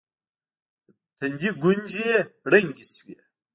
د تندي گونځې يې ړنګې سوې.